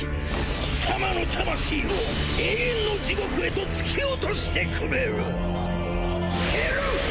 貴様の魂を永遠の地獄へと突き落としてくれる！